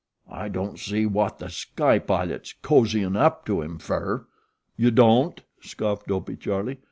I don't see wot The Sky Pilot's cozyin' up to him fer." "You don't?" scoffed Dopey Charlie.